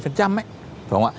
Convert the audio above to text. phải không ạ